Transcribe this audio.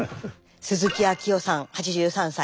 鈴木昭郎さん８３歳。